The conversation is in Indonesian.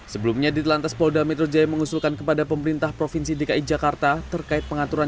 sebelumnya di telantas polda metro jaya mengusulkan kepada pemerintah provinsi dki jakarta